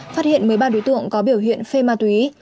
phát hiện một mươi ba đối tượng có biểu hiện phê ma túy